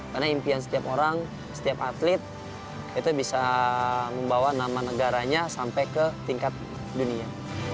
karena impian setiap orang setiap atlet itu bisa membawa nama negaranya sampai ke tingkat dunia